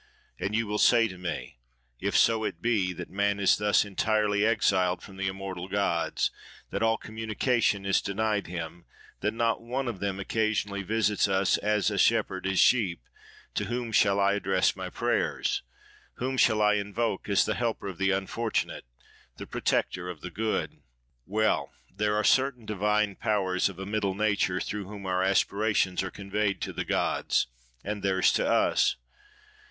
And you will say to me: If so it be, that man is thus entirely exiled from the immortal gods, that all communication is denied him, that not one of them occasionally visits us, as a shepherd his sheep—to whom shall I address my prayers? Whom, shall I invoke as the helper of the unfortunate, the protector of the good? "Well! there are certain divine powers of a middle nature, through whom our aspirations are conveyed to the gods, and theirs to us.